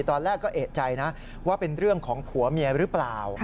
ตอนแรกก็เอกใจนะว่าเป็นเรื่องของผัวเมียหรือเปล่า